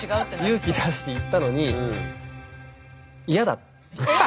勇気出して言ったのにえ